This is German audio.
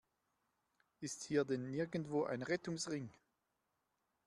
Ist hier denn nirgendwo ein Rettungsring?